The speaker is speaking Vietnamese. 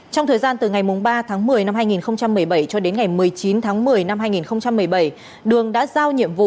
trong thời gian từ ngày ba tháng một mươi năm hai nghìn một mươi bảy cho đến ngày một mươi chín tháng một mươi năm hai nghìn một mươi bảy đường đã giao nhiệm vụ